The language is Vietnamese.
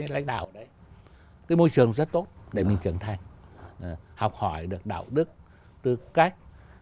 lãnh đạo đấy